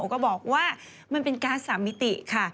ก็บอกว่ามันเป็นการ์ด๓มิติค่ะ